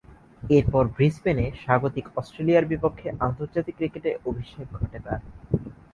এরপর ব্রিসবেনে স্বাগতিক অস্ট্রেলিয়ার বিপক্ষে আন্তর্জাতিক ক্রিকেটে অভিষেক ঘটে তার।